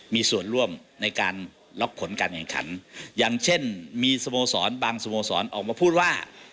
มีส่วนร่วมในการล็อกผลการแข่งขันอย่างเช่นมีสโมสรบางสโมสรออกมาพูดว่า